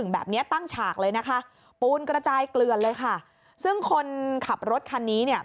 แบบนี้ตั้งฉากเลยนะคะปูนกระจายเกลือนเลยค่ะซึ่งคนขับรถคันนี้เนี่ย